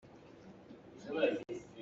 Vanlawng a liam riangmang.